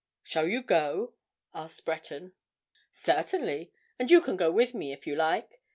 "Shall you go?" asked Breton. "Certainly. And you can go with me, if you like.